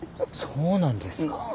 そうなんですか。